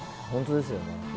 本当ですよね。